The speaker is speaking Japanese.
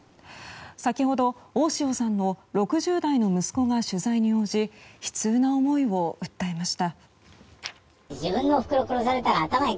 先ほど大塩さんの６０代の息子が取材に応じ悲痛な思いを訴えました。